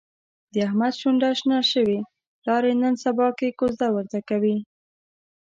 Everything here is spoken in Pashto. د احمد شونډه شنه شوې، پلار یې نن سباکې کوزده ورته کوي.